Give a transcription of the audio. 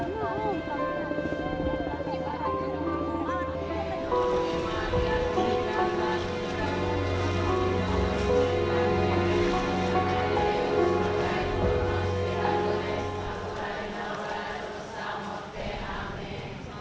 tuan menino dihantar